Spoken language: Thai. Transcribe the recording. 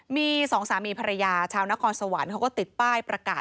มีสองสามีภรรยาชาวนครสวรรค์เขาก็ติดป้ายประกาศ